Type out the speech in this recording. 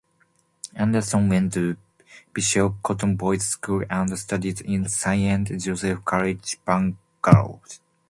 Anderson went to Bishop Cotton Boys' School and studied in Saint Joseph's College, Bangalore.